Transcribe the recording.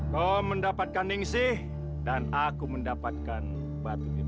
kau mendapatkan ningsih dan aku mendapatkan batu biru itu